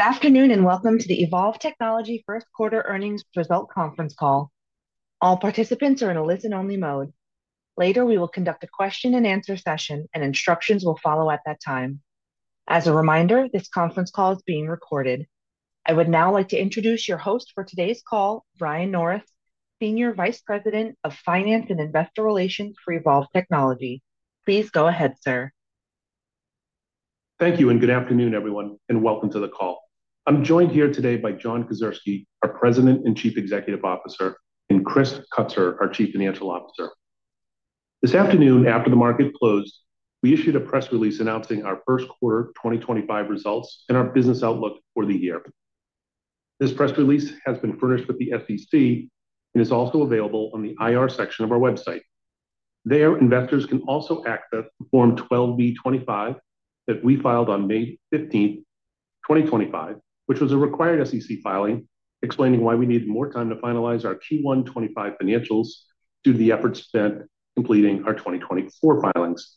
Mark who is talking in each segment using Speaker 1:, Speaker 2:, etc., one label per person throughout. Speaker 1: Good afternoon and welcome to the Evolv Technologies first quarter earnings result conference call. All participants are in a listen-only mode. Later, we will conduct a question-and-answer session, and instructions will follow at that time. As a reminder, this conference call is being recorded. I would now like to introduce your host for today's call, Brian Norris, Senior Vice President of Finance and Investor Relations for Evolv Technology. Please go ahead, sir.
Speaker 2: Thank you, and good afternoon, everyone, and welcome to the call. I'm joined here today by John Kedzierski, our President and Chief Executive Officer, and Chris Kutsor, our Chief Financial Officer. This afternoon, after the market closed, we issued a press release announcing our first quarter 2025 results and our business outlook for the year. This press release has been furnished with the SEC and is also available on the IR section of our website. There, investors can also access Form 12B-25 that we filed on May 15, 2025, which was a required SEC filing, explaining why we needed more time to finalize our Q1 2025 financials due to the efforts spent completing our 2024 filings.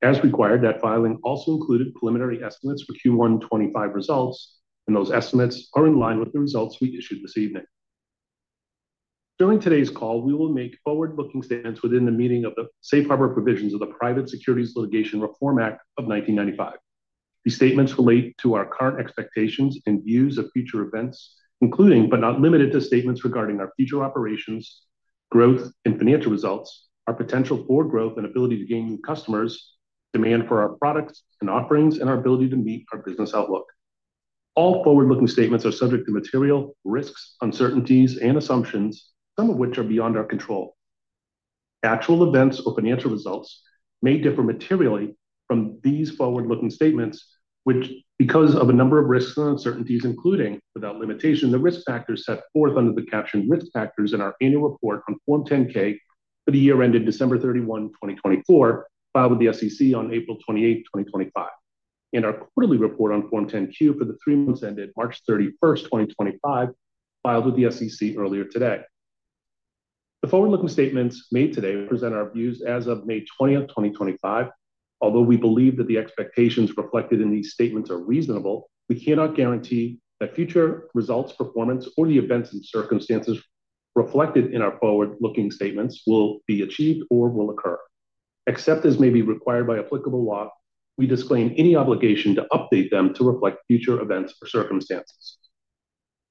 Speaker 2: As required, that filing also included preliminary estimates for Q1 2025 results, and those estimates are in line with the results we issued this evening. During today's call, we will make forward-looking statements within the meaning of the safe harbor provisions of the Private Securities Litigation Reform Act of 1995. These statements relate to our current expectations and views of future events, including, but not limited to, statements regarding our future operations, growth and financial results, our potential for growth and ability to gain new customers, demand for our products and offerings, and our ability to meet our business outlook. All forward-looking statements are subject to material risks, uncertainties, and assumptions, some of which are beyond our control. Actual events or financial results may differ materially from these forward-looking statements, which, because of a number of risks and uncertainties, including, without limitation, the risk factors set forth under the captioned risk factors in our annual report on Form 10K for the year ended December 31, 2024, filed with the SEC on April 28, 2025, and our quarterly report on Form 10Q for the three months ended March 31, 2025, filed with the SEC earlier today. The forward-looking statements made today present our views as of May 20, 2025. Although we believe that the expectations reflected in these statements are reasonable, we cannot guarantee that future results, performance, or the events and circumstances reflected in our forward-looking statements will be achieved or will occur. Except as may be required by applicable law, we disclaim any obligation to update them to reflect future events or circumstances.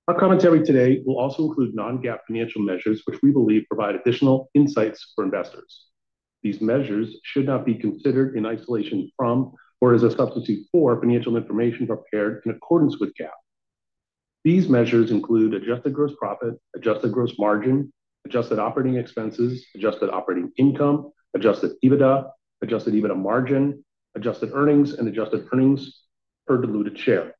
Speaker 2: Our commentary today will also include non-GAAP financial measures, which we believe provide additional insights for investors. These measures should not be considered in isolation from or as a substitute for financial information prepared in accordance with GAAP. These measures include adjusted gross profit, adjusted gross margin, adjusted operating expenses, adjusted operating income, adjusted EBITDA, adjusted EBITDA margin, adjusted earnings, and adjusted earnings per diluted share.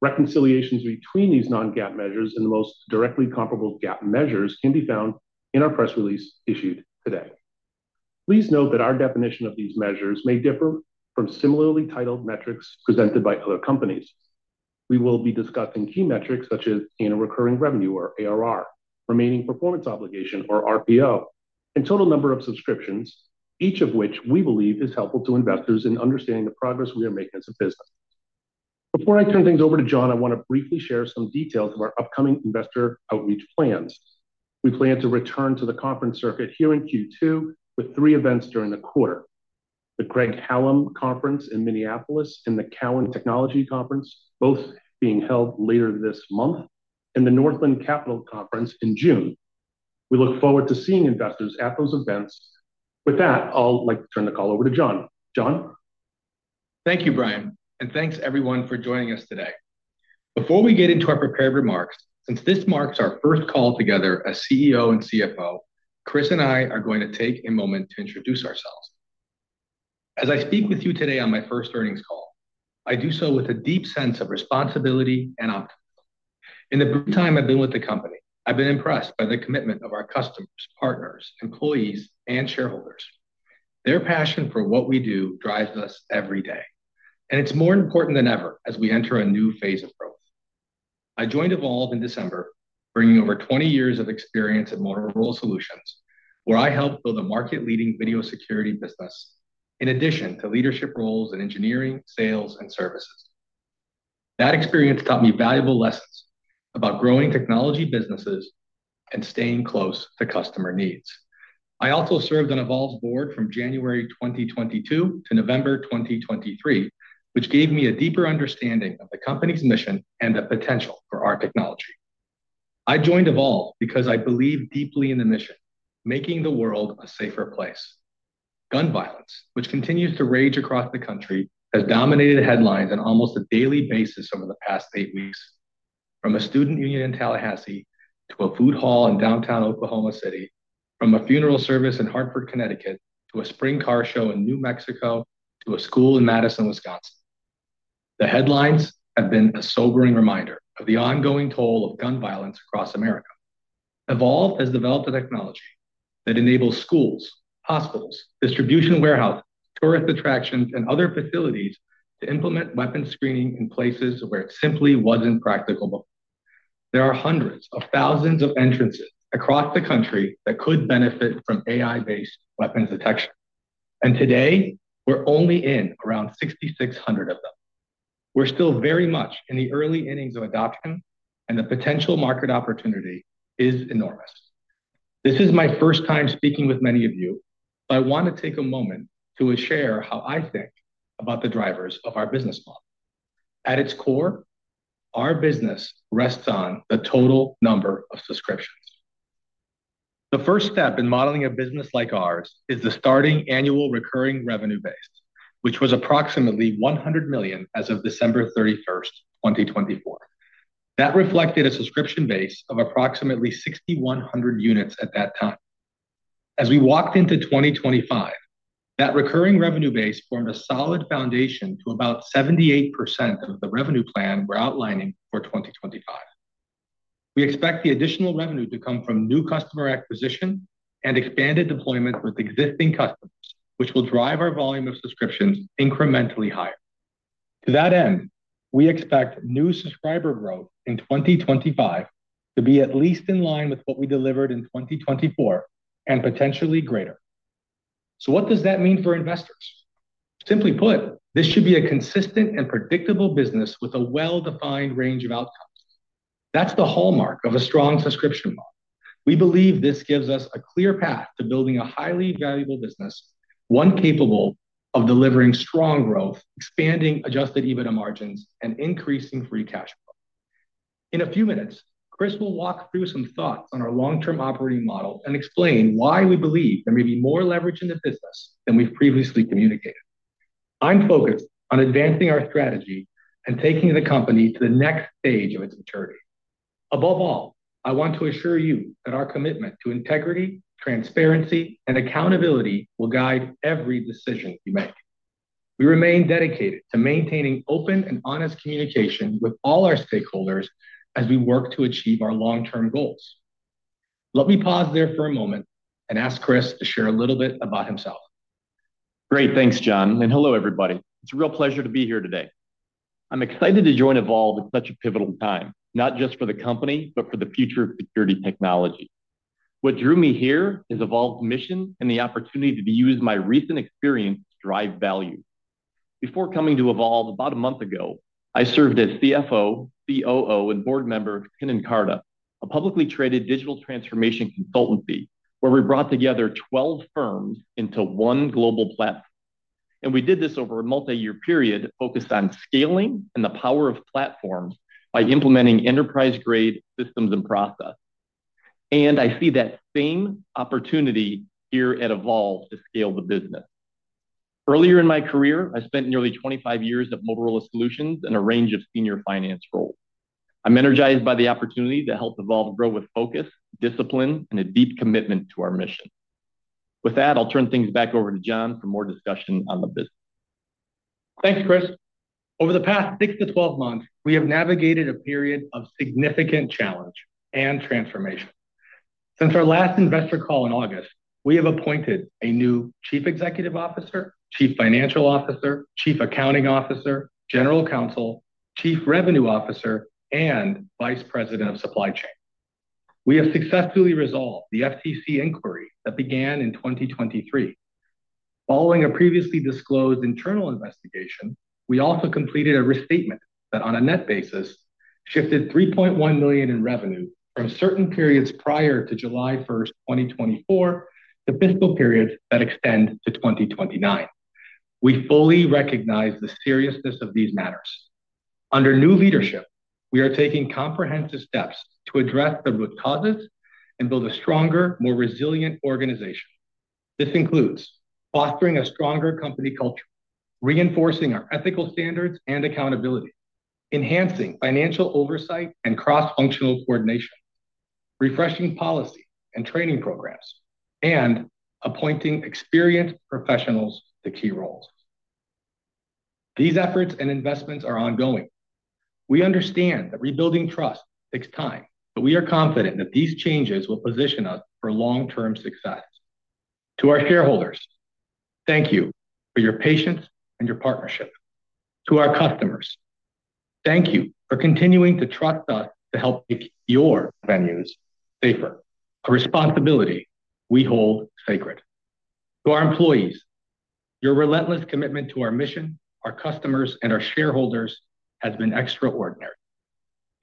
Speaker 2: Reconciliations between these non-GAAP measures and the most directly comparable GAAP measures can be found in our press release issued today. Please note that our definition of these measures may differ from similarly titled metrics presented by other companies. We will be discussing key metrics such as annual recurring revenue or ARR, remaining performance obligation or RPO, and total number of subscriptions, each of which we believe is helpful to investors in understanding the progress we are making as a business. Before I turn things over to John, I want to briefly share some details of our upcoming investor outreach plans. We plan to return to the conference circuit here in Q2 with three events during the quarter: the Craig-Hallum Conference in Minneapolis and the Hallum Technology Conference, both being held later this month, and the Northland Capital Markets Conference in June. We look forward to seeing investors at those events. With that, I'd like to turn the call over to John. John?
Speaker 3: Thank you, Brian, and thanks everyone for joining us today. Before we get into our prepared remarks, since this marks our first call together as CEO and CFO, Chris and I are going to take a moment to introduce ourselves. As I speak with you today on my first earnings call, I do so with a deep sense of responsibility and optimism. In the time I've been with the company, I've been impressed by the commitment of our customers, partners, employees, and shareholders. Their passion for what we do drives us every day, and it's more important than ever as we enter a new phase of growth. I joined Evolv in December, bringing over 20 years of experience at Motorola Solutions, where I helped build a market-leading video security business in addition to leadership roles in engineering, sales, and services. That experience taught me valuable lessons about growing technology businesses and staying close to customer needs. I also served on Evolv's board from January 2022 to November 2023, which gave me a deeper understanding of the company's mission and the potential for our technology. I joined Evolv because I believe deeply in the mission: making the world a safer place. Gun violence, which continues to rage across the country, has dominated headlines on almost a daily basis over the past eight weeks. From a student union in Tallahassee to a food hall in downtown Oklahoma City, from a funeral service in Hartford, Connecticut, to a spring car show in New Mexico, to a school in Madison, Wisconsin, the headlines have been a sobering reminder of the ongoing toll of gun violence across America. Evolv has developed a technology that enables schools, hospitals, distribution warehouses, tourist attractions, and other facilities to implement weapons screening in places where it simply was not practicable. There are hundreds of thousands of entrances across the country that could benefit from AI-based weapons detection, and today we are only in around 6,600 of them. We are still very much in the early innings of adoption, and the potential market opportunity is enormous. This is my first time speaking with many of you, but I want to take a moment to share how I think about the drivers of our business model. At its core, our business rests on the total number of subscriptions. The first step in modeling a business like ours is the starting annual recurring revenue base, which was approximately $100 million as of December 31, 2024. That reflected a subscription base of approximately 6,100 units at that time. As we walked into 2025, that recurring revenue base formed a solid foundation to about 78% of the revenue plan we're outlining for 2025. We expect the additional revenue to come from new customer acquisition and expanded deployment with existing customers, which will drive our volume of subscriptions incrementally higher. To that end, we expect new subscriber growth in 2025 to be at least in line with what we delivered in 2024 and potentially greater. What does that mean for investors? Simply put, this should be a consistent and predictable business with a well-defined range of outcomes. That is the hallmark of a strong subscription model. We believe this gives us a clear path to building a highly valuable business, one capable of delivering strong growth, expanding adjusted EBITDA margins, and increasing free cash flow. In a few minutes, Chris will walk through some thoughts on our long-term operating model and explain why we believe there may be more leverage in the business than we've previously communicated. I'm focused on advancing our strategy and taking the company to the next stage of its maturity. Above all, I want to assure you that our commitment to integrity, transparency, and accountability will guide every decision we make. We remain dedicated to maintaining open and honest communication with all our stakeholders as we work to achieve our long-term goals. Let me pause there for a moment and ask Chris to share a little bit about himself.
Speaker 4: Great. Thanks, John. Hello, everybody. It's a real pleasure to be here today. I'm excited to join Evolv at such a pivotal time, not just for the company, but for the future of security technology. What drew me here is Evolv's mission and the opportunity to use my recent experience to drive value. Before coming to Evolv about a month ago, I served as CFO, COO, and board member of Kin + Carta, a publicly traded digital transformation consultancy, where we brought together 12 firms into one global platform. We did this over a multi-year period focused on scaling and the power of platforms by implementing enterprise-grade systems and processes. I see that same opportunity here at Evolv to scale the business. Earlier in my career, I spent nearly 25 years at Motorola Solutions in a range of senior finance roles. I'm energized by the opportunity to help Evolv grow with focus, discipline, and a deep commitment to our mission. With that, I'll turn things back over to John for more discussion on the business.
Speaker 3: Thanks, Chris. Over the past six to twelve months, we have navigated a period of significant challenge and transformation. Since our last investor call in August, we have appointed a new Chief Executive Officer, Chief Financial Officer, Chief Accounting Officer, General Counsel, Chief Revenue Officer, and Vice President of Supply Chain. We have successfully resolved the FTC inquiry that began in 2023. Following a previously disclosed internal investigation, we also completed a restatement that, on a net basis, shifted $3.1 million in revenue from certain periods prior to July 1, 2024, to fiscal periods that extend to 2029. We fully recognize the seriousness of these matters. Under new leadership, we are taking comprehensive steps to address the root causes and build a stronger, more resilient organization. This includes fostering a stronger company culture, reinforcing our ethical standards and accountability, enhancing financial oversight and cross-functional coordination, refreshing policy and training programs, and appointing experienced professionals to key roles. These efforts and investments are ongoing. We understand that rebuilding trust takes time, but we are confident that these changes will position us for long-term success. To our shareholders, thank you for your patience and your partnership. To our customers, thank you for continuing to trust us to help make your venues safer, a responsibility we hold sacred. To our employees, your relentless commitment to our mission, our customers, and our shareholders has been extraordinary.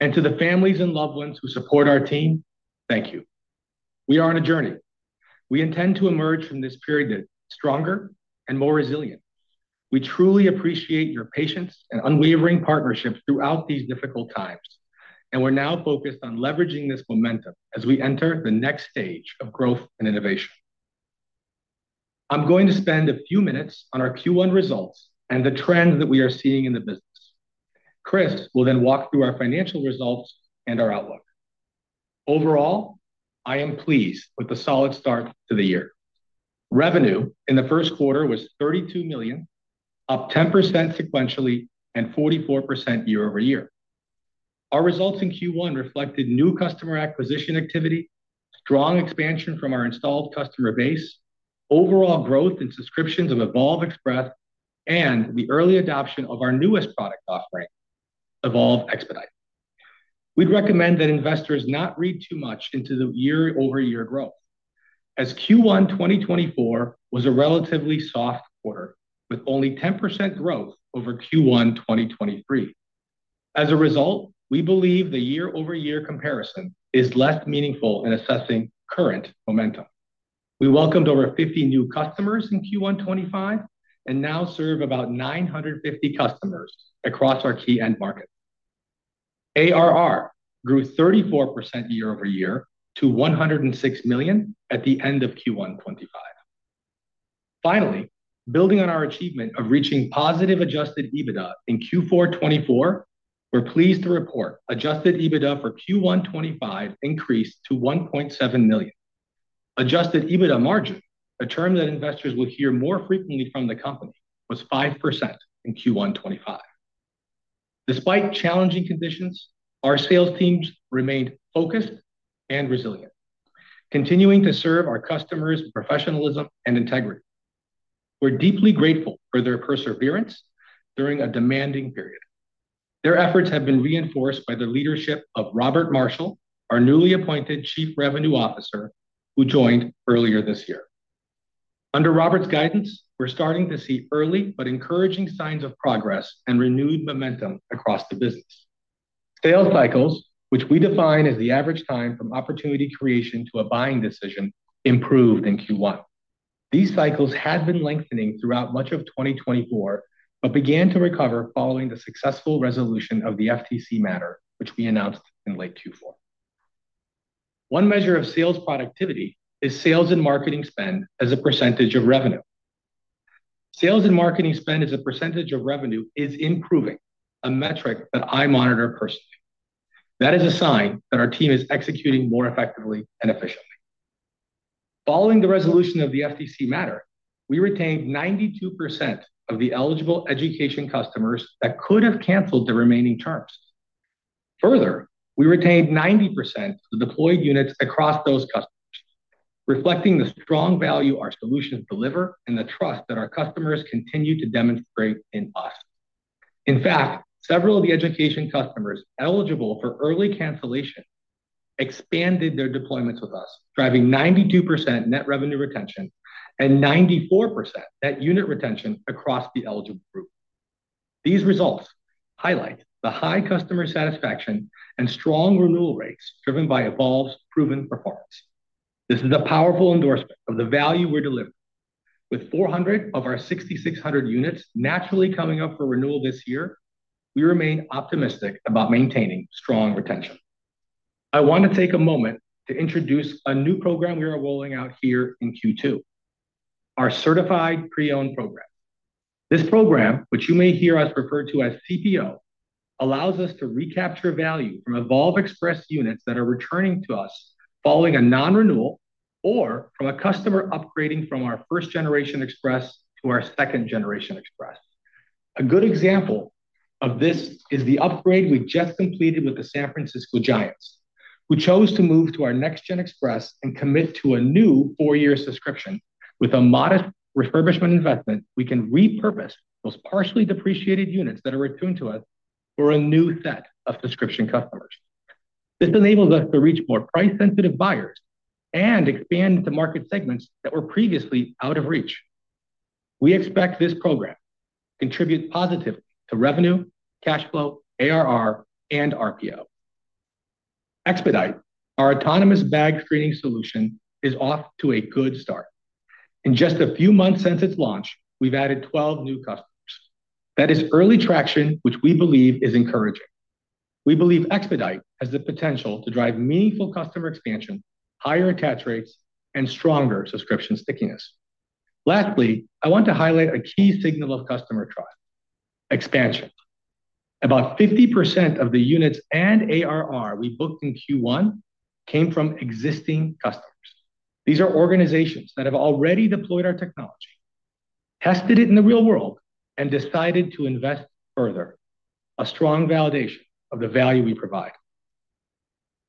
Speaker 3: To the families and loved ones who support our team, thank you. We are on a journey. We intend to emerge from this period stronger and more resilient. We truly appreciate your patience and unwavering partnership throughout these difficult times, and we're now focused on leveraging this momentum as we enter the next stage of growth and innovation. I'm going to spend a few minutes on our Q1 results and the trends that we are seeing in the business. Chris will then walk through our financial results and our outlook. Overall, I am pleased with the solid start to the year. Revenue in the first quarter was $32 million, up 10% sequentially and 44% year over year. Our results in Q1 reflected new customer acquisition activity, strong expansion from our installed customer base, overall growth in subscriptions of Evolv Express, and the early adoption of our newest product offering, Evolv Expedite. We'd recommend that investors not read too much into the year-over-year growth, as Q1 2024 was a relatively soft quarter with only 10% growth over Q1 2023. As a result, we believe the year-over-year comparison is less meaningful in assessing current momentum. We welcomed over 50 new customers in Q1 2025 and now serve about 950 customers across our key end markets. ARR grew 34% year over year to $106 million at the end of Q1 2025. Finally, building on our achievement of reaching positive adjusted EBITDA in Q4 2024, we're pleased to report adjusted EBITDA for Q1 2025 increased to $1.7 million. Adjusted EBITDA margin, a term that investors will hear more frequently from the company, was 5% in Q1 2025. Despite challenging conditions, our sales teams remained focused and resilient, continuing to serve our customers with professionalism and integrity. We're deeply grateful for their perseverance during a demanding period. Their efforts have been reinforced by the leadership of Robert Marshall, our newly appointed Chief Revenue Officer, who joined earlier this year. Under Robert's guidance, we're starting to see early but encouraging signs of progress and renewed momentum across the business. Sales cycles, which we define as the average time from opportunity creation to a buying decision, improved in Q1. These cycles had been lengthening throughout much of 2024 but began to recover following the successful resolution of the FTC matter, which we announced in late Q4. One measure of sales productivity is sales and marketing spend as a percentage of revenue. Sales and marketing spend as a percentage of revenue is improving, a metric that I monitor personally. That is a sign that our team is executing more effectively and efficiently. Following the resolution of the FTC matter, we retained 92% of the eligible education customers that could have canceled the remaining terms. Further, we retained 90% of the deployed units across those customers, reflecting the strong value our solutions deliver and the trust that our customers continue to demonstrate in us. In fact, several of the education customers eligible for early cancellation expanded their deployments with us, driving 92% net revenue retention and 94% net unit retention across the eligible group. These results highlight the high customer satisfaction and strong renewal rates driven by Evolv's proven performance. This is a powerful endorsement of the value we're delivering. With 400 of our 6,600 units naturally coming up for renewal this year, we remain optimistic about maintaining strong retention. I want to take a moment to introduce a new program we are rolling out here in Q2: our Certified Pre-Owned Program. This program, which you may hear us refer to as CPO, allows us to recapture value from Evolv Express units that are returning to us following a non-renewal or from a customer upgrading from our first-generation Express to our second-generation Express. A good example of this is the upgrade we just completed with the San Francisco Giants. We chose to move to our next-gen Express and commit to a new four-year subscription. With a modest refurbishment investment, we can repurpose those partially depreciated units that are returned to us for a new set of subscription customers. This enables us to reach more price-sensitive buyers and expand into market segments that were previously out of reach. We expect this program to contribute positively to revenue, cash flow, ARR, and RPO. Expedite, our autonomous bag screening solution, is off to a good start. In just a few months since its launch, we've added 12 new customers. That is early traction, which we believe is encouraging. We believe Expedite has the potential to drive meaningful customer expansion, higher attach rates, and stronger subscription stickiness. Lastly, I want to highlight a key signal of customer trust: expansion. About 50% of the units and ARR we booked in Q1 came from existing customers. These are organizations that have already deployed our technology, tested it in the real world, and decided to invest further. A strong validation of the value we provide.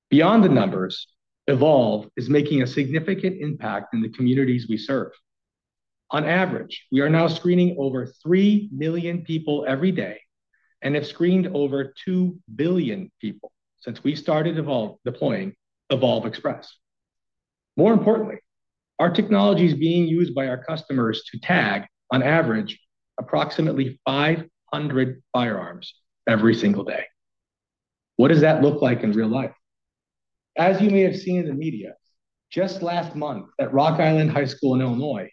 Speaker 3: Beyond the numbers, Evolv is making a significant impact in the communities we serve. On average, we are now screening over 3 million people every day and have screened over 2 billion people since we started deploying Evolv Express. More importantly, our technology is being used by our customers to tag, on average, approximately 500 firearms every single day. What does that look like in real life? As you may have seen in the media, just last month at Rock Island High School in Illinois,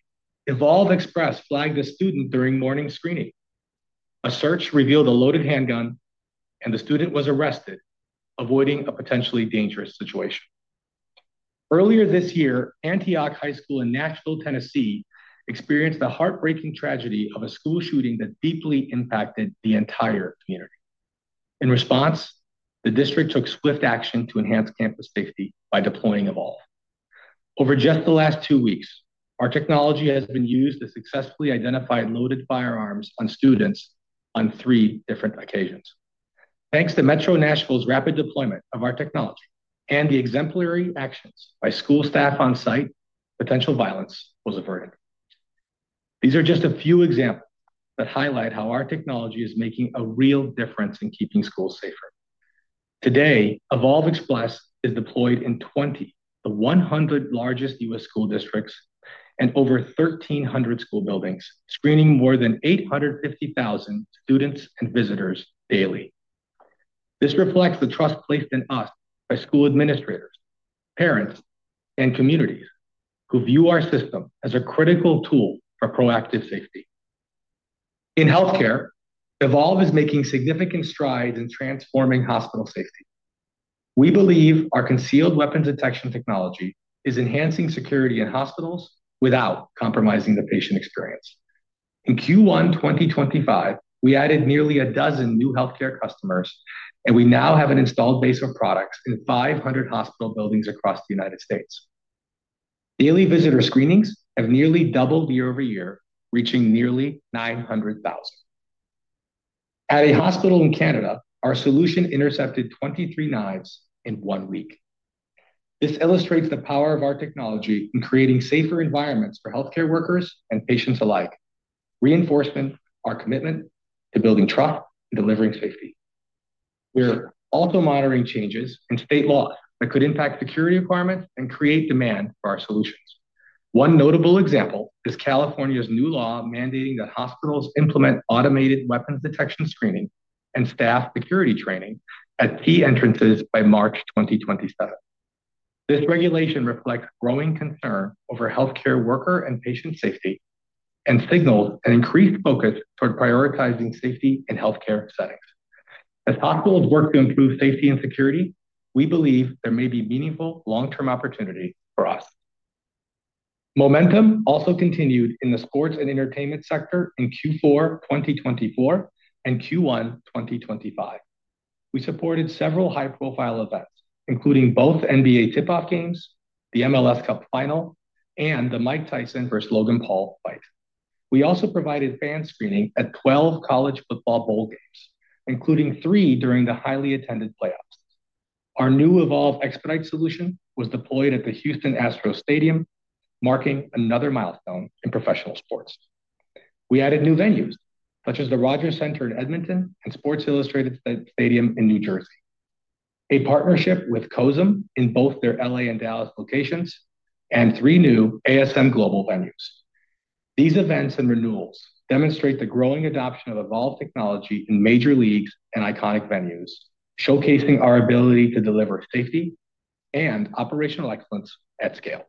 Speaker 3: Evolv Express flagged a student during morning screening. A search revealed a loaded handgun, and the student was arrested, avoiding a potentially dangerous situation. Earlier this year, Antioch High School in Nashville, Tennessee, experienced the heartbreaking tragedy of a school shooting that deeply impacted the entire community. In response, the district took swift action to enhance campus safety by deploying Evolv. Over just the last two weeks, our technology has been used to successfully identify loaded firearms on students on three different occasions. Thanks to Metro Nashville's rapid deployment of our technology and the exemplary actions by school staff on site, potential violence was averted. These are just a few examples that highlight how our technology is making a real difference in keeping schools safer. Today, Evolv Express is deployed in 20 of the 100 largest U.S. school districts and over 1,300 school buildings, screening more than 850,000 students and visitors daily. This reflects the trust placed in us by school administrators, parents, and communities who view our system as a critical tool for proactive safety. In healthcare, Evolv is making significant strides in transforming hospital safety. We believe our concealed weapons detection technology is enhancing security in hospitals without compromising the patient experience. In Q1 2025, we added nearly a dozen new healthcare customers, and we now have an installed base of products in 500 hospital buildings across the United States. Daily visitor screenings have nearly doubled year over year, reaching nearly 900,000. At a hospital in Canada, our solution intercepted 23 knives in one week. This illustrates the power of our technology in creating safer environments for healthcare workers and patients alike, reinforcing our commitment to building trust and delivering safety. We're also monitoring changes in state laws that could impact security requirements and create demand for our solutions. One notable example is California's new law mandating that hospitals implement automated weapons detection screening and staff security training at key entrances by March 2027. This regulation reflects growing concern over healthcare worker and patient safety and signals an increased focus toward prioritizing safety in healthcare settings. As hospitals work to improve safety and security, we believe there may be meaningful long-term opportunity for us. Momentum also continued in the sports and entertainment sector in Q4 2024 and Q1 2025. We supported several high-profile events, including both NBA tip-off games, the MLS Cup Final, and the Mike Tyson vs. Logan Paul fight. We also provided fan screening at 12 college football bowl games, including three during the highly attended playoffs. Our new Evolv Expedite solution was deployed at the Houston Astros Stadium, marking another milestone in professional sports. We added new venues, such as the Rogers Centre in Edmonton and Sports Illustrated Stadium in New Jersey, a partnership with COSM in both their L.A. and Dallas locations, and three new ASM Global venues. These events and renewals demonstrate the growing adoption of Evolv technology in major leagues and iconic venues, showcasing our ability to deliver safety and operational excellence at scale.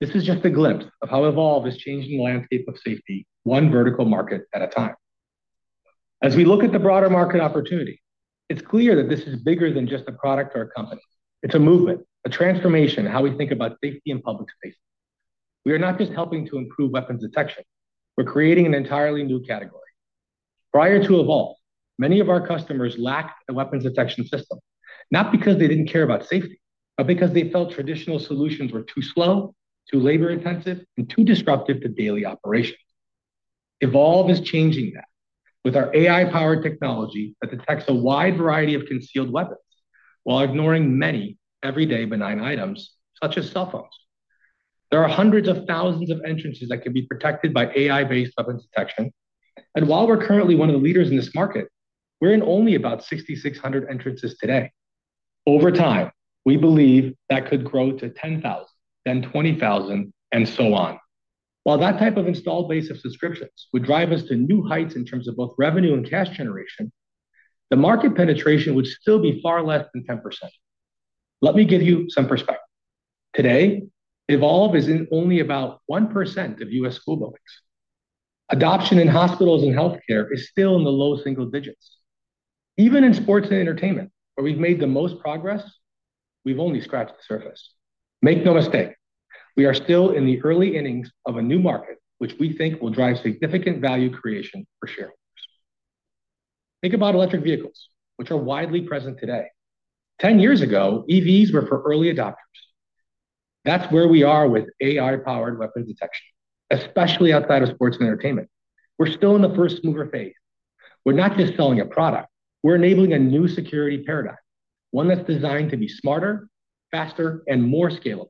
Speaker 3: This is just a glimpse of how Evolv is changing the landscape of safety one vertical market at a time. As we look at the broader market opportunity, it's clear that this is bigger than just a product or a company. It's a movement, a transformation in how we think about safety and public safety. We are not just helping to improve weapons detection. We're creating an entirely new category. Prior to Evolv, many of our customers lacked a weapons detection system, not because they didn't care about safety, but because they felt traditional solutions were too slow, too labor-intensive, and too disruptive to daily operations. Evolv is changing that with our AI-powered technology that detects a wide variety of concealed weapons while ignoring many everyday benign items, such as cell phones. There are hundreds of thousands of entrances that can be protected by AI-based weapons detection. While we're currently one of the leaders in this market, we're in only about 6,600 entrances today. Over time, we believe that could grow to 10,000, then 20,000, and so on. While that type of installed base of subscriptions would drive us to new heights in terms of both revenue and cash generation, the market penetration would still be far less than 10%. Let me give you some perspective. Today, Evolv is in only about 1% of U.S. school buildings. Adoption in hospitals and healthcare is still in the low single digits. Even in sports and entertainment, where we've made the most progress, we've only scratched the surface. Make no mistake, we are still in the early innings of a new market, which we think will drive significant value creation for shareholders. Think about electric vehicles, which are widely present today. Ten years ago, EVs were for early adopters. That's where we are with AI-powered weapons detection, especially outside of sports and entertainment. We're still in the first-mover phase. We're not just selling a product. We're enabling a new security paradigm, one that's designed to be smarter, faster, and more scalable.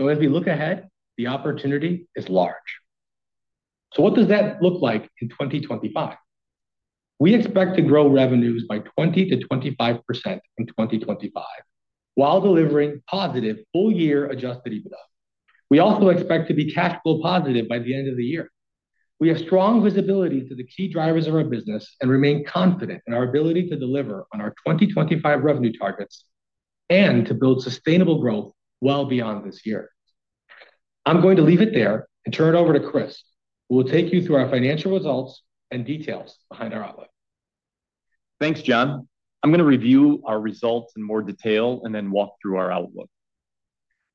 Speaker 3: As we look ahead, the opportunity is large. What does that look like in 2025? We expect to grow revenues by 20%-25% in 2025 while delivering positive full-year adjusted EBITDA. We also expect to be cash flow positive by the end of the year. We have strong visibility to the key drivers of our business and remain confident in our ability to deliver on our 2025 revenue targets and to build sustainable growth well beyond this year. I'm going to leave it there and turn it over to Chris, who will take you through our financial results and details behind our outlook.
Speaker 4: Thanks, John. I'm going to review our results in more detail and then walk through our outlook.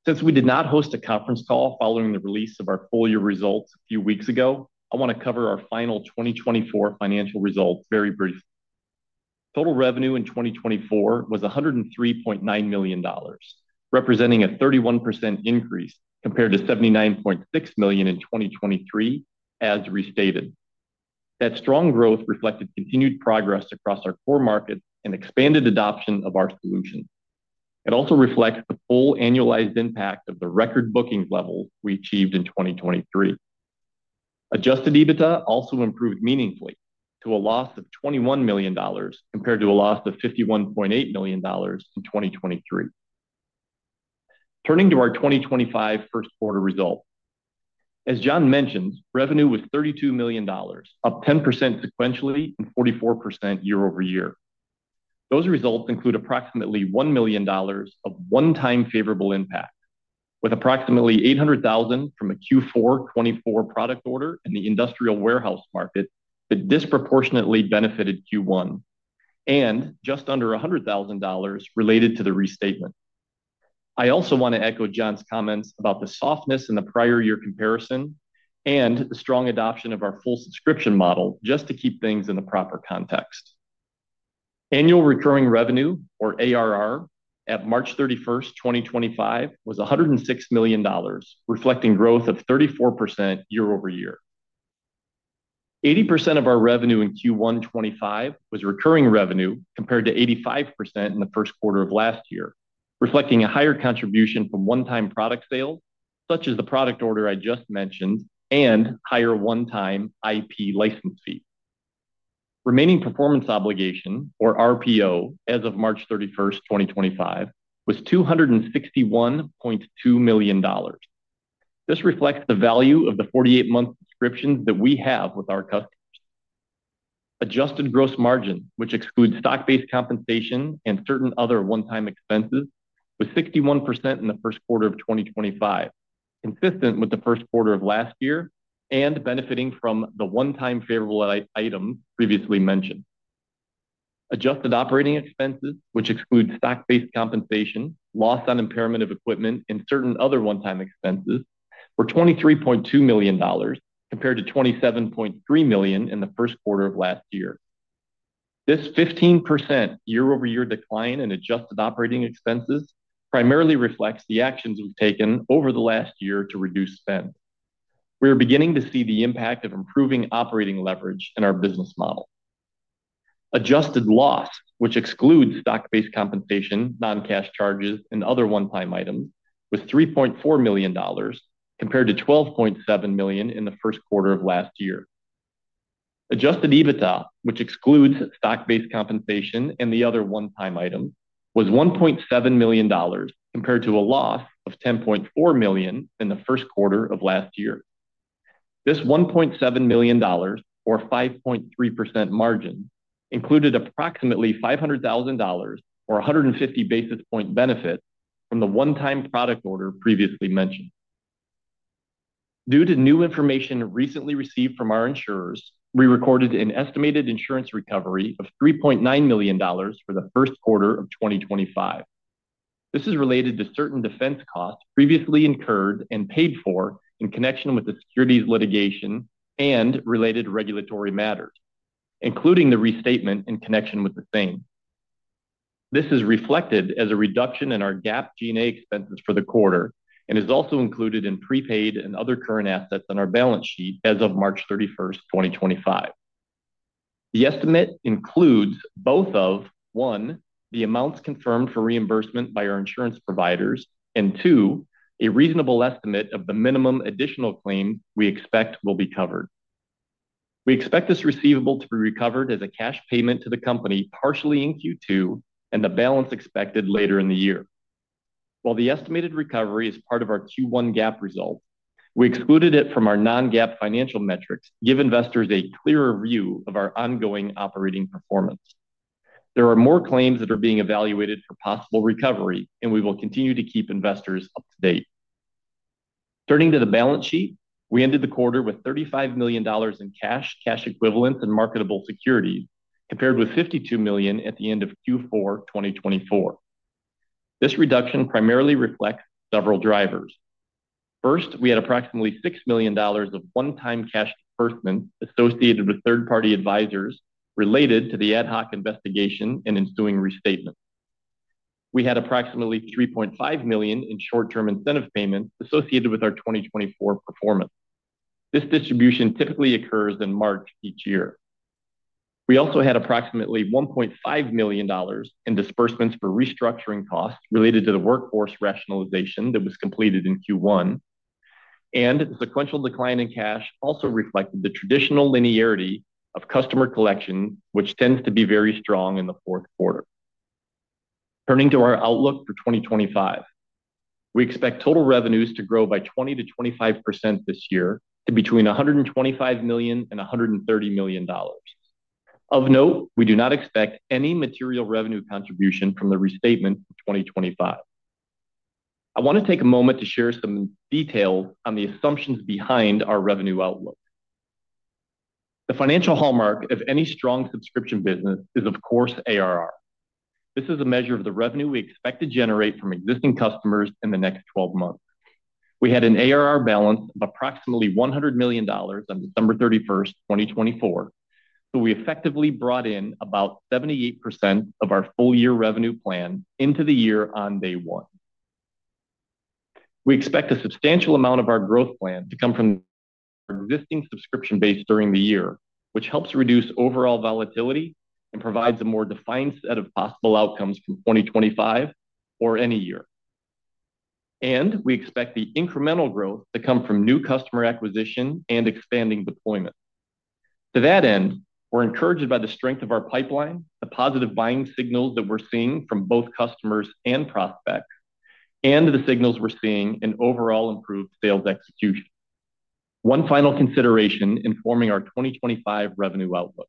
Speaker 4: Since we did not host a conference call following the release of our full-year results a few weeks ago, I want to cover our final 2024 financial results very briefly. Total revenue in 2024 was $103.9 million, representing a 31% increase compared to $79.6 million in 2023, as restated. That strong growth reflected continued progress across our core markets and expanded adoption of our solution. It also reflects the full annualized impact of the record bookings levels we achieved in 2023. Adjusted EBITDA also improved meaningfully to a loss of $21 million compared to a loss of $51.8 million in 2023. Turning to our 2025 first-quarter results, as John mentioned, revenue was $32 million, up 10% sequentially and 44% year over year. Those results include approximately $1 million of one-time favorable impact, with approximately $800,000 from a Q4 2024 product order in the industrial warehouse market that disproportionately benefited Q1, and just under $100,000 related to the restatement. I also want to echo John's comments about the softness in the prior-year comparison and the strong adoption of our full subscription model, just to keep things in the proper context. Annual recurring revenue, or ARR, at March 31, 2025, was $106 million, reflecting growth of 34% year over year. 80% of our revenue in Q1 2025 was recurring revenue compared to 85% in the first quarter of last year, reflecting a higher contribution from one-time product sales, such as the product order I just mentioned, and higher one-time IP license fees. Remaining performance obligation, or RPO, as of March 31, 2025, was $261.2 million. This reflects the value of the 48-month subscriptions that we have with our customers. Adjusted gross margin, which excludes stock-based compensation and certain other one-time expenses, was 61% in the first quarter of 2025, consistent with the first quarter of last year and benefiting from the one-time favorable items previously mentioned. Adjusted operating expenses, which exclude stock-based compensation, loss on impairment of equipment, and certain other one-time expenses, were $23.2 million compared to $27.3 million in the first quarter of last year. This 15% year-over-year decline in adjusted operating expenses primarily reflects the actions we have taken over the last year to reduce spend. We are beginning to see the impact of improving operating leverage in our business model. Adjusted loss, which excludes stock-based compensation, non-cash charges, and other one-time items, was $3.4 million compared to $12.7 million in the first quarter of last year. Adjusted EBITDA, which excludes stock-based compensation and the other one-time items, was $1.7 million compared to a loss of $10.4 million in the first quarter of last year. This $1.7 million, or 5.3% margin, included approximately $500,000 or 150 basis point benefit from the one-time product order previously mentioned. Due to new information recently received from our insurers, we recorded an estimated insurance recovery of $3.9 million for the first quarter of 2025. This is related to certain defense costs previously incurred and paid for in connection with the securities litigation and related regulatory matters, including the restatement in connection with the same. This is reflected as a reduction in our GAAP G&A expenses for the quarter and is also included in prepaid and other current assets on our balance sheet as of March 31, 2025. The estimate includes both of, one, the amounts confirmed for reimbursement by our insurance providers, and two, a reasonable estimate of the minimum additional claim we expect will be covered. We expect this receivable to be recovered as a cash payment to the company partially in Q2 and the balance expected later in the year. While the estimated recovery is part of our Q1 GAAP result, we excluded it from our non-GAAP financial metrics to give investors a clearer view of our ongoing operating performance. There are more claims that are being evaluated for possible recovery, and we will continue to keep investors up to date. Turning to the balance sheet, we ended the quarter with $35 million in cash, cash equivalents, and marketable securities compared with $52 million at the end of Q4 2024. This reduction primarily reflects several drivers. First, we had approximately $6 million of one-time cash disbursement associated with third-party advisors related to the ad hoc investigation and ensuing restatement. We had approximately $3.5 million in short-term incentive payments associated with our 2024 performance. This distribution typically occurs in March each year. We also had approximately $1.5 million in disbursements for restructuring costs related to the workforce rationalization that was completed in Q1, and the sequential decline in cash also reflected the traditional linearity of customer collection, which tends to be very strong in the fourth quarter. Turning to our outlook for 2025, we expect total revenues to grow by 20%-25% this year to between $125 million and $130 million. Of note, we do not expect any material revenue contribution from the restatement in 2025. I want to take a moment to share some details on the assumptions behind our revenue outlook. The financial hallmark of any strong subscription business is, of course, ARR. This is a measure of the revenue we expect to generate from existing customers in the next 12 months. We had an ARR balance of approximately $100 million on December 31, 2024, so we effectively brought in about 78% of our full-year revenue plan into the year on day one. We expect a substantial amount of our growth plan to come from our existing subscription base during the year, which helps reduce overall volatility and provides a more defined set of possible outcomes from 2025 or any year. We expect the incremental growth to come from new customer acquisition and expanding deployment. To that end, we're encouraged by the strength of our pipeline, the positive buying signals that we're seeing from both customers and prospects, and the signals we're seeing in overall improved sales execution. One final consideration informing our 2025 revenue outlook.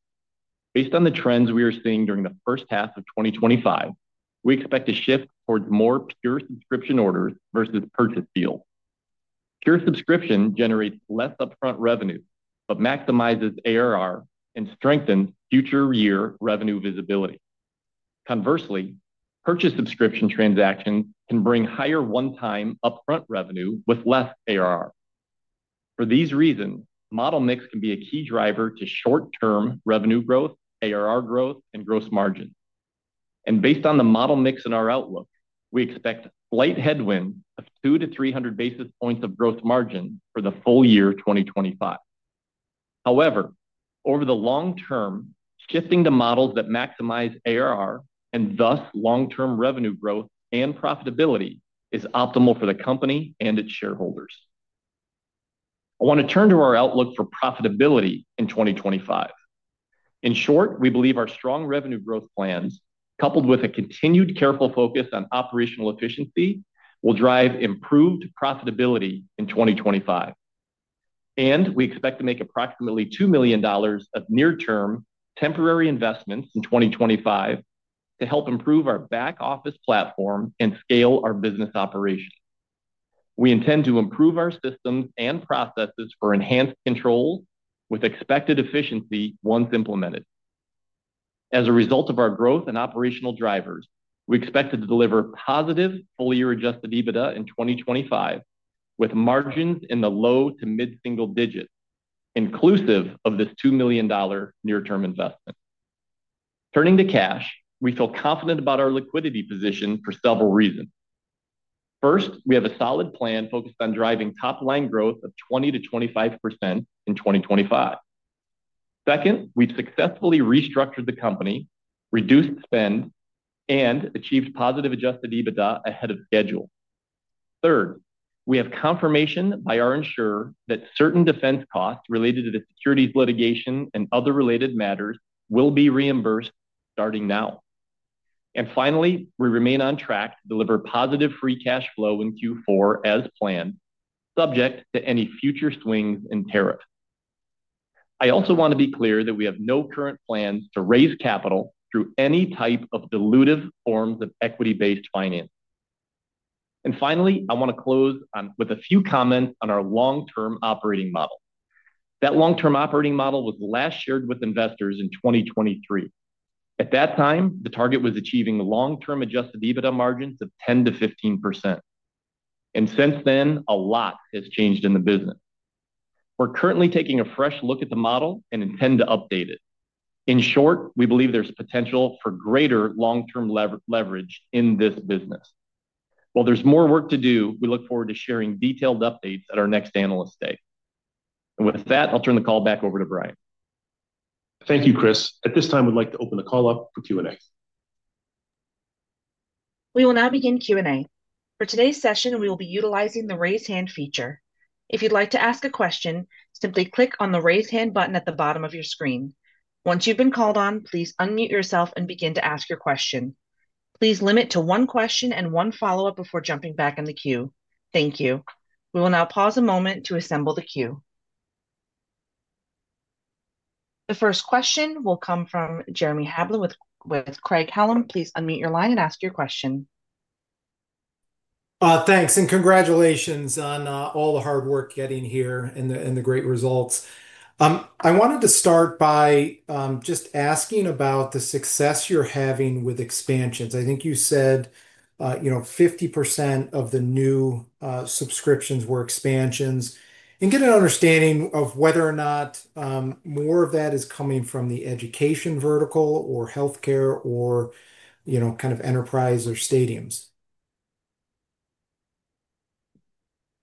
Speaker 4: Based on the trends we are seeing during the first half of 2025, we expect a shift towards more pure subscription orders versus purchase deals. Pure subscription generates less upfront revenue, but maximizes ARR and strengthens future-year revenue visibility. Conversely, purchase subscription transactions can bring higher one-time upfront revenue with less ARR. For these reasons, model mix can be a key driver to short-term revenue growth, ARR growth, and gross margin. Based on the model mix in our outlook, we expect slight headwinds of 200-300 basis points of gross margin for the full year 2025. However, over the long term, shifting to models that maximize ARR and thus long-term revenue growth and profitability is optimal for the company and its shareholders. I want to turn to our outlook for profitability in 2025. In short, we believe our strong revenue growth plans, coupled with a continued careful focus on operational efficiency, will drive improved profitability in 2025. We expect to make approximately $2 million of near-term temporary investments in 2025 to help improve our back-office platform and scale our business operations. We intend to improve our systems and processes for enhanced control with expected efficiency once implemented. As a result of our growth and operational drivers, we expect to deliver positive full-year adjusted EBITDA in 2025 with margins in the low to mid-single digits, inclusive of this $2 million near-term investment. Turning to cash, we feel confident about our liquidity position for several reasons. First, we have a solid plan focused on driving top-line growth of 20%-25% in 2025. Second, we've successfully restructured the company, reduced spend, and achieved positive adjusted EBITDA ahead of schedule. Third, we have confirmation by our insurer that certain defense costs related to the securities litigation and other related matters will be reimbursed starting now. Finally, we remain on track to deliver positive free cash flow in Q4 as planned, subject to any future swings in tariffs. I also want to be clear that we have no current plans to raise capital through any type of dilutive forms of equity-based financing. Finally, I want to close with a few comments on our long-term operating model. That long-term operating model was last shared with investors in 2023. At that time, the target was achieving long-term adjusted EBITDA margins of 10%-15%. Since then, a lot has changed in the business. We're currently taking a fresh look at the model and intend to update it. In short, we believe there's potential for greater long-term leverage in this business. While there's more work to do, we look forward to sharing detailed updates at our next analyst day. With that, I'll turn the call back over to Brian.
Speaker 2: Thank you, Chris. At this time, we'd like to open the call up for Q&A.
Speaker 1: We will now begin Q&A. For today's session, we will be utilizing the raise hand feature. If you'd like to ask a question, simply click on the raise hand button at the bottom of your screen. Once you've been called on, please unmute yourself and begin to ask your question. Please limit to one question and one follow-up before jumping back in the queue. Thank you. We will now pause a moment to assemble the queue. The first question will come from Jeremy Hamblin with Craig-Hallum. Please unmute your line and ask your question.
Speaker 5: Thanks. Congratulations on all the hard work getting here and the great results. I wanted to start by just asking about the success you're having with expansions. I think you said 50% of the new subscriptions were expansions. I want to get an understanding of whether or not more of that is coming from the education vertical or healthcare or kind of enterprise or stadiums.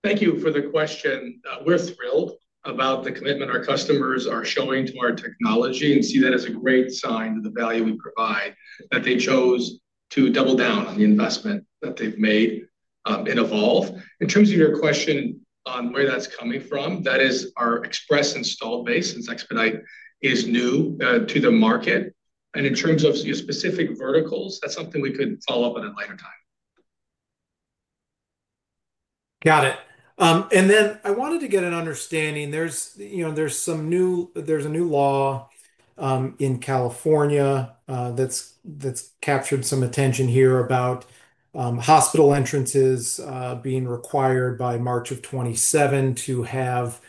Speaker 3: Thank you for the question. We're thrilled about the commitment our customers are showing to our technology and see that as a great sign of the value we provide that they chose to double down on the investment that they've made in Evolv. In terms of your question on where that's coming from, that is our Express installed base, since Expedite is new to the market. In terms of specific verticals, that's something we could follow up on at a later time.
Speaker 5: Got it. I wanted to get an understanding. There's some new law in California that's captured some attention here about hospital entrances being required by March of 2027 to have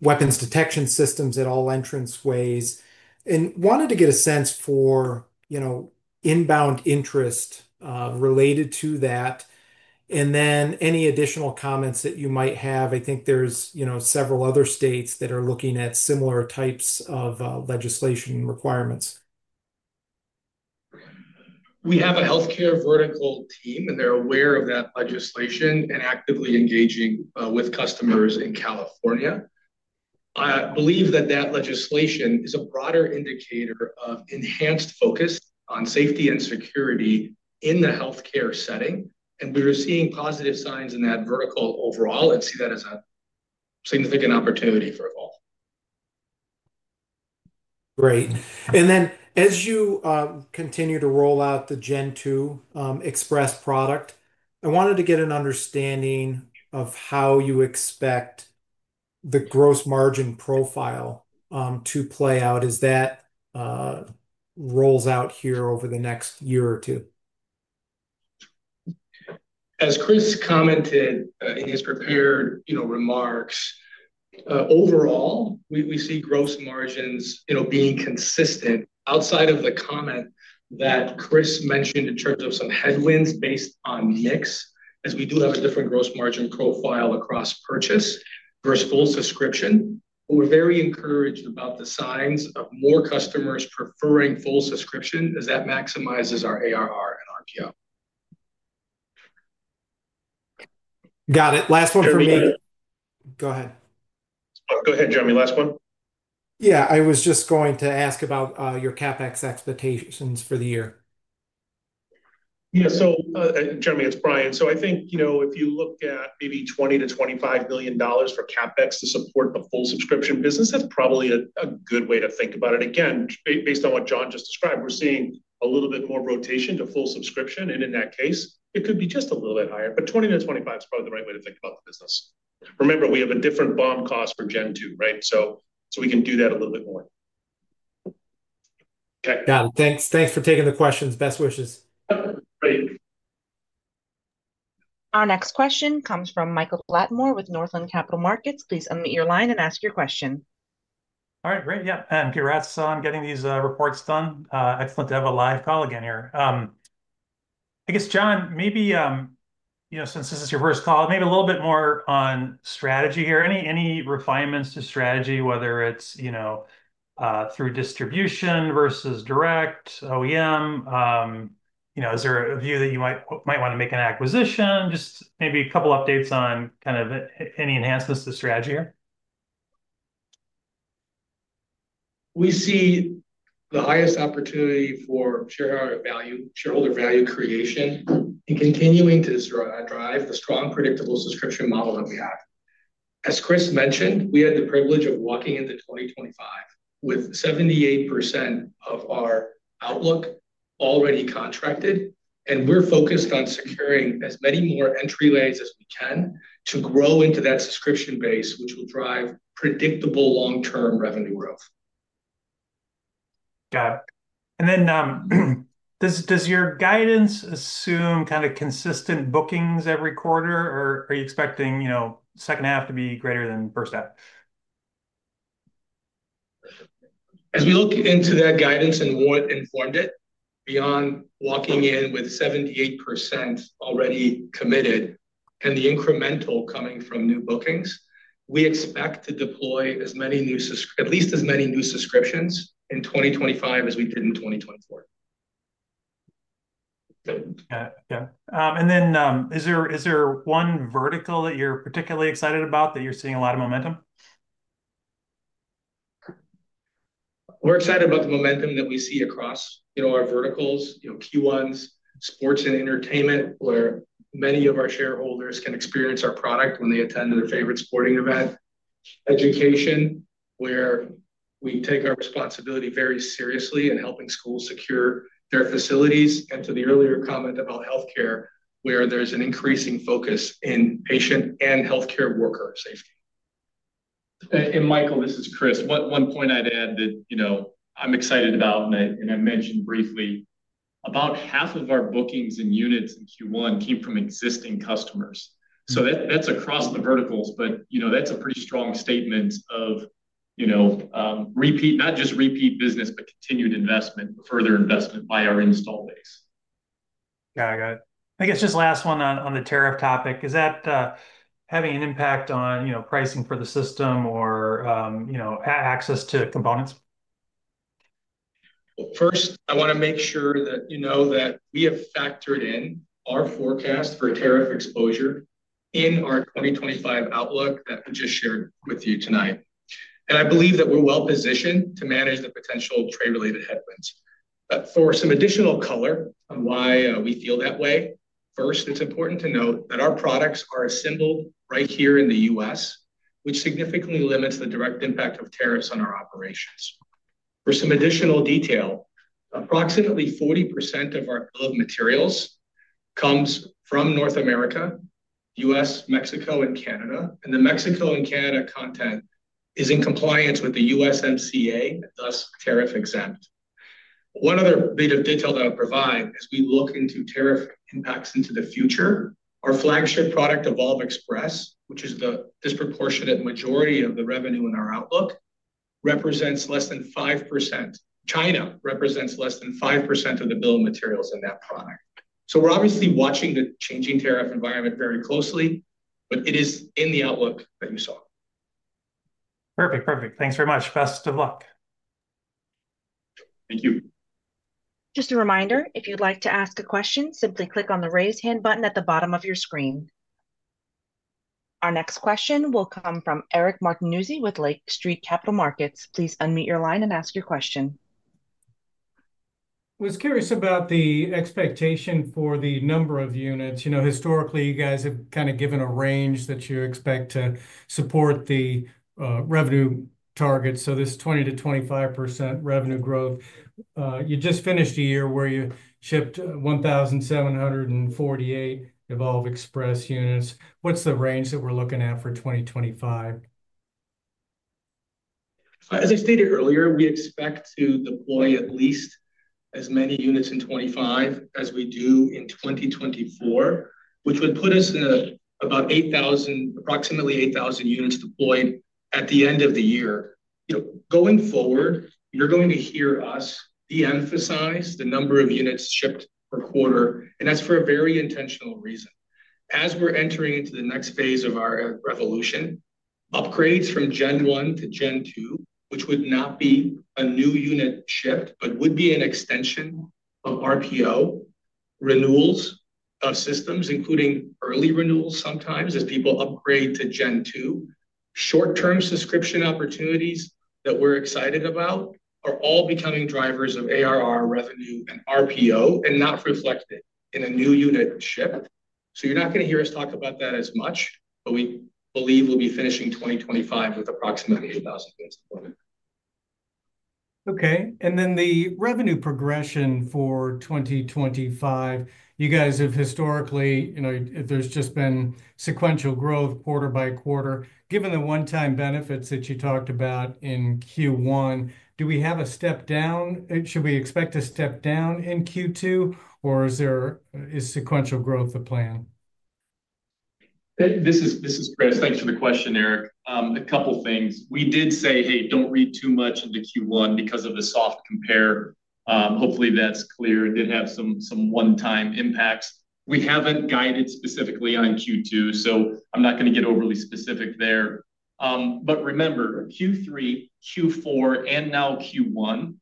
Speaker 5: weapons detection systems at all entrance ways. I wanted to get a sense for inbound interest related to that. Any additional comments that you might have? I think there's several other states that are looking at similar types of legislation and requirements.
Speaker 3: We have a healthcare vertical team, and they're aware of that legislation and actively engaging with customers in California. I believe that that legislation is a broader indicator of enhanced focus on safety and security in the healthcare setting. We are seeing positive signs in that vertical overall and see that as a significant opportunity for Evolv.
Speaker 5: Great. As you continue to roll out the Gen2 Express product, I wanted to get an understanding of how you expect the gross margin profile to play out as that rolls out here over the next year or two.
Speaker 3: As Chris commented in his prepared remarks, overall, we see gross margins being consistent outside of the comment that Chris mentioned in terms of some headwinds based on mix, as we do have a different gross margin profile across purchase versus full subscription. We are very encouraged about the signs of more customers preferring full subscription as that maximizes our ARR and RPR.
Speaker 5: Got it. Last one for me. Go ahead. Go ahead,
Speaker 2: Jeremy. Last one.
Speaker 5: Yeah. I was just going to ask about your CapEx expectations for the year.
Speaker 2: Yeah. Jeremy, it is Brian. I think if you look at maybe $20-$25 million for CapEx to support the full subscription business, that's probably a good way to think about it. Again, based on what John just described, we're seeing a little bit more rotation to full subscription. In that case, it could be just a little bit higher. $20-$25 is probably the right way to think about the business. Remember, we have a different bomb cost for Gen2, right? We can do that a little bit more.
Speaker 5: Okay. Got it. Thanks for taking the questions. Best wishes. Great.
Speaker 1: Our next question comes from Michael Latimore with Northland Capital Markets. Please unmute your line and ask your question.
Speaker 6: All right. Great. Yeah. Congrats on getting these reports done. Excellent to have a live call again here. I guess, John, maybe since this is your first call, maybe a little bit more on strategy here. Any refinements to strategy, whether it's through distribution versus direct OEM? Is there a view that you might want to make an acquisition? Just maybe a couple of updates on kind of any enhancements to strategy here.
Speaker 3: We see the highest opportunity for shareholder value, shareholder value creation, and continuing to drive the strong predictable subscription model that we have. As Chris mentioned, we had the privilege of walking into 2025 with 78% of our outlook already contracted. We're focused on securing as many more entry lanes as we can to grow into that subscription base, which will drive predictable long-term revenue growth.
Speaker 6: Got it. Does your guidance assume kind of consistent bookings every quarter, or are you expecting second half to be greater than first half?
Speaker 3: As we look into that guidance and what informed it, beyond walking in with 78% already committed and the incremental coming from new bookings, we expect to deploy at least as many new subscriptions in 2025 as we did in 2024.
Speaker 6: Got it. Yeah. Is there one vertical that you're particularly excited about that you're seeing a lot of momentum?
Speaker 3: We're excited about the momentum that we see across our verticals, Q1s, sports and entertainment, where many of our shareholders can experience our product when they attend their favorite sporting event. Education, where we take our responsibility very seriously in helping schools secure their facilities. To the earlier comment about healthcare, there's an increasing focus in patient and healthcare worker safety.
Speaker 4: Michael, this is Chris. One point I'd add that I'm excited about, and I mentioned briefly, about half of our bookings and units in Q1 came from existing customers. So that's across the verticals, but that's a pretty strong statement of not just repeat business, but continued investment, further investment by our install base.
Speaker 6: Got it. I got it. I guess just last one on the tariff topic. Is that having an impact on pricing for the system or access to components?
Speaker 3: First, I want to make sure that you know that we have factored in our forecast for tariff exposure in our 2025 outlook that we just shared with you tonight. I believe that we're well-positioned to manage the potential trade-related headwinds. For some additional color on why we feel that way, first, it's important to note that our products are assembled right here in the U.S., which significantly limits the direct impact of tariffs on our operations. For some additional detail, approximately 40% of our materials comes from North America, U.S., Mexico, and Canada. The Mexico and Canada content is in compliance with the USMCA, thus tariff exempt. One other bit of detail that I'll provide as we look into tariff impacts into the future, our flagship product, Evolv Express, which is the disproportionate majority of the revenue in our outlook, represents less than 5%. China represents less than 5% of the bill of materials in that product. We're obviously watching the changing tariff environment very closely, but it is in the outlook that you saw.
Speaker 6: Perfect. Perfect. Thanks very much. Best of luck. Thank you.
Speaker 1: Just a reminder, if you'd like to ask a question, simply click on the raise hand button at the bottom of your screen. Our next question will come from Eric Martinuzzi with Lake Street Capital Markets. Please unmute your line and ask your question.
Speaker 7: I was curious about the expectation for the number of units. Historically, you guys have kind of given a range that you expect to support the revenue target. So this 20-25% revenue growth, you just finished a year where you shipped 1,748 Evolv Express units. What's the range that we're looking at for 2025?
Speaker 3: As I stated earlier, we expect to deploy at least as many units in 2025 as we do in 2024, which would put us in about approximately 8,000 units deployed at the end of the year. Going forward, you're going to hear us de-emphasize the number of units shipped per quarter. That's for a very intentional reason. As we're entering into the next phase of our revolution, upgrades from Gen1 to Gen2, which would not be a new unit shipped but would be an extension of RPO, renewals of systems, including early renewals sometimes as people upgrade to Gen2. Short-term subscription opportunities that we're excited about are all becoming drivers of ARR revenue and RPO and not reflected in a new unit ship. You're not going to hear us talk about that as much, but we believe we'll be finishing 2025 with approximately 8,000 units deployed.
Speaker 7: Okay. And then the revenue progression for 2025, you guys have historically, there's just been sequential growth quarter by quarter. Given the one-time benefits that you talked about in Q1, do we have a step down? Should we expect a step down in Q2, or is sequential growth the plan?
Speaker 4: This is Chris. Thanks for the question, Eric. A couple of things. We did say, "Hey, don't read too much into Q1 because of the soft compare." Hopefully, that's clear. It did have some one-time impacts. We haven't guided specifically on Q2, so I'm not going to get overly specific there. Remember, Q3, Q4, and now Q1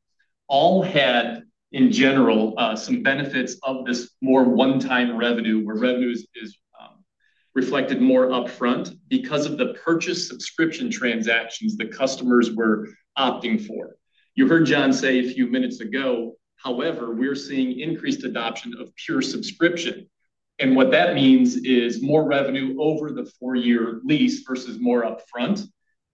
Speaker 4: all had, in general, some benefits of this more one-time revenue where revenue is reflected more upfront because of the purchase subscription transactions the customers were opting for. You heard John say a few minutes ago, however, we're seeing increased adoption of pure subscription. What that means is more revenue over the four-year lease versus more upfront.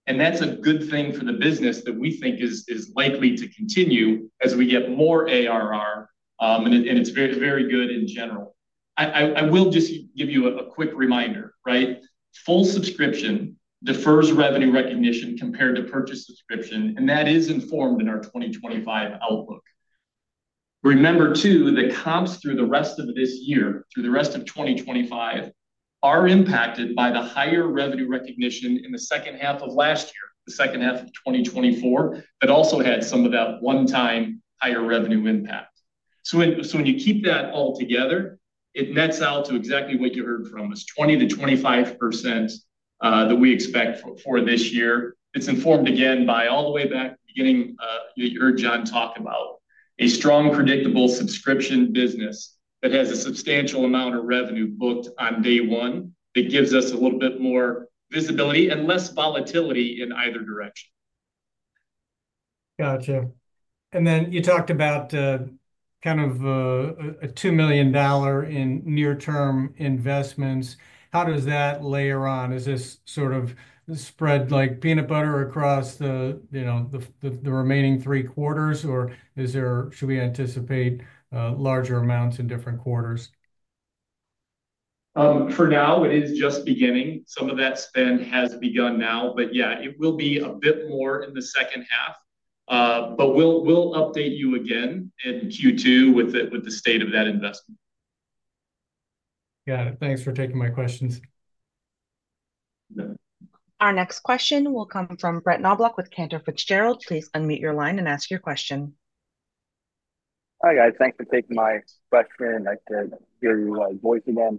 Speaker 4: That's a good thing for the business that we think is likely to continue as we get more ARR. It is very good in general. I will just give you a quick reminder, right? Full subscription defers revenue recognition compared to purchase subscription, and that is informed in our 2025 outlook. Remember, too, the comps through the rest of this year, through the rest of 2025, are impacted by the higher revenue recognition in the second half of last year, the second half of 2024, that also had some of that one-time higher revenue impact. When you keep that all together, it nets out to exactly what you heard from us, 20-25% that we expect for this year. It is informed again by all the way back, you heard John talk about a strong predictable subscription business that has a substantial amount of revenue booked on day one that gives us a little bit more visibility and less volatility in either direction.
Speaker 7: Gotcha. Then you talked about kind of a $2 million in near-term investments. How does that layer on? Is this sort of spread like peanut butter across the remaining three quarters, or should we anticipate larger amounts in different quarters?
Speaker 3: For now, it is just beginning. Some of that spend has begun now, but yeah, it will be a bit more in the second half. We will update you again in Q2 with the state of that investment.
Speaker 7: Got it. Thanks for taking my questions.
Speaker 1: Our next question will come from Brett Knoblauch with Cantor Fitzgerald. Please unmute your line and ask your question.
Speaker 8: Hi, guys. Thanks for taking my question. I can hear your voice again.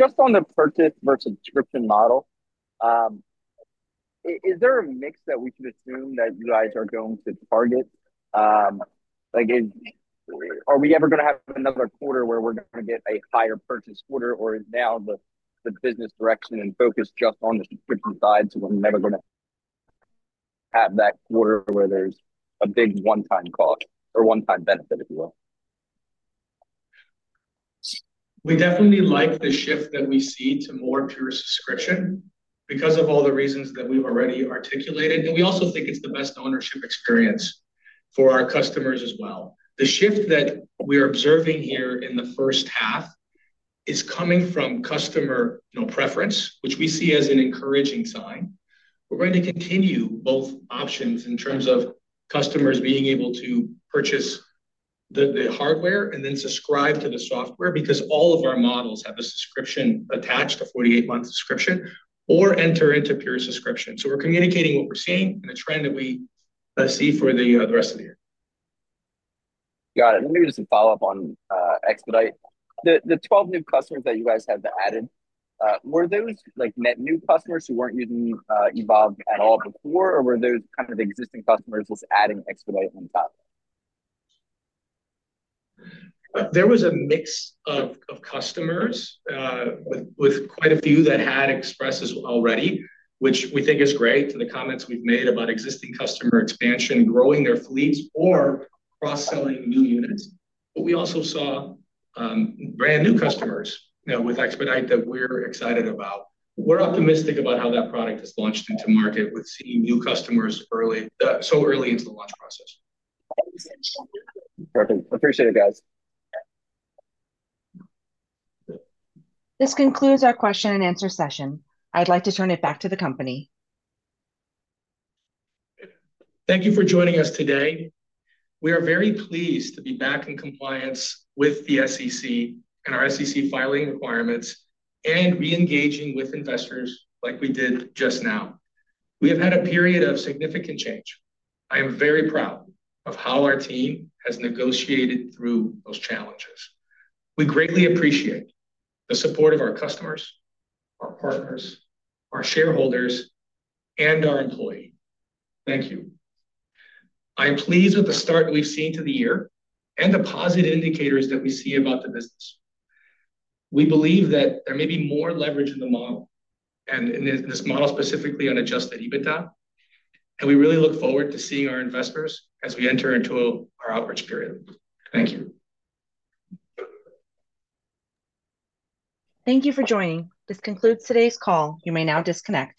Speaker 8: Just on the purchase versus subscription model, is there a mix that we should assume that you guys are going to target? Are we ever going to have another quarter where we're going to get a higher purchase quarter, or is now the business direction and focus just on the subscription side? We are never going to have that quarter where there's a big one-time cost or one-time benefit, if you will.
Speaker 3: We definitely like the shift that we see to more pure subscription because of all the reasons that we've already articulated. We also think it's the best ownership experience for our customers as well. The shift that we are observing here in the first half is coming from customer preference, which we see as an encouraging sign. We are going to continue both options in terms of customers being able to purchase the hardware and then subscribe to the software because all of our models have a subscription attached to 48-month subscription or enter into pure subscription. We're communicating what we're seeing and a trend that we see for the rest of the year.
Speaker 8: Got it. Let me just follow up on Expedite. The 12 new customers that you guys have added, were those net new customers who weren't using Evolv at all before, or were those kind of existing customers just adding Expedite on top?
Speaker 3: There was a mix of customers, with quite a few that had Expresses already, which we think is great to the comments we've made about existing customer expansion, growing their fleets, or cross-selling new units. We also saw brand new customers with Expedite that we're excited about. We're optimistic about how that product is launched into market with seeing new customers so early into the launch process.
Speaker 8: Perfect. Appreciate it, guys.
Speaker 1: This concludes our question and answer session. I'd like to turn it back to the company.
Speaker 3: Thank you for joining us today. We are very pleased to be back in compliance with the SEC and our SEC filing requirements and re-engaging with investors like we did just now. We have had a period of significant change. I am very proud of how our team has negotiated through those challenges. We greatly appreciate the support of our customers, our partners, our shareholders, and our employees. Thank you. I am pleased with the start we've seen to the year and the positive indicators that we see about the business. We believe that there may be more leverage in the model and in this model specifically on adjusted EBITDA. We really look forward to seeing our investors as we enter into our outreach period. Thank you.
Speaker 1: Thank you for joining. This concludes today's call. You may now disconnect.